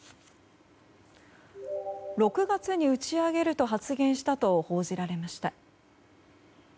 ６月に打ち上げると発言したと報じられました。